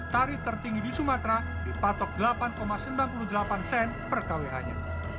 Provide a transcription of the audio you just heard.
tarif tertinggi di sumatera dipatok delapan sembilan puluh delapan sen per kwh nya